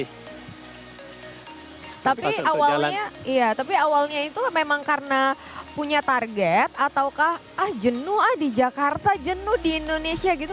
tapi awalnya iya tapi awalnya itu memang karena punya target ataukah ah jenuh ah di jakarta jenuh di indonesia gitu